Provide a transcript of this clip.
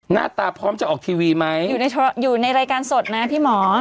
หน้าตาพร้อมจะออกทีวีไหมอยู่ในอยู่ในรายการสดนะพี่หมอ